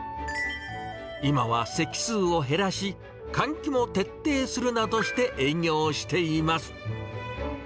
今は席数を減らし、換気も徹底するなどして営業しています。